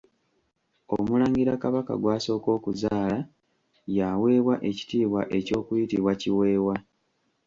Omulangira kabaka gw'asooka okuzaala, ye aweebwa ekitiibwa eky'okuyitibwa Kiweewa.